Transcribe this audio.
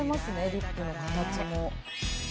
リップの形も」